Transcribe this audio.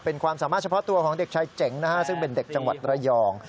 เป็นความสามารถเฉพาะตัวของเด็กชายเจ๋งนะฮะซึ่งเป็นเด็กจังหวัดระยอง